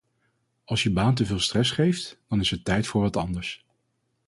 Als je baan teveel stress geeft, dan is het tijd voor wat anders.